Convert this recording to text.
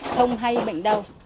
không hay bệnh đau